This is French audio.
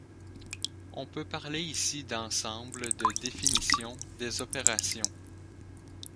On peut parler ici d'ensemble de définition des opérations.